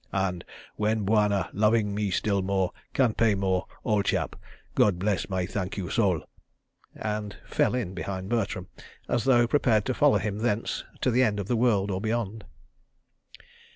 And when Bwana, loving me still more, can pay more, ole chap. God bless my thank you soul"—and "fell in" behind Bertram as though prepared to follow him thence to the end of the world or beyond.